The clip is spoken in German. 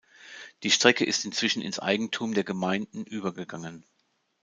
Die Strecke ist inzwischen ins Eigentum der Gemeinden übergegangen.